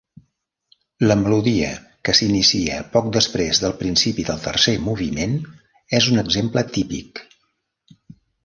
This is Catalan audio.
La melodia que s'inicia poc després del principi del tercer moviment és un exemple típic.